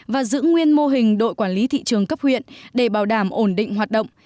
và giữ nguyên mô hình đội quản lý thị trường cấp huyện để bảo đảm ổn định hoạt động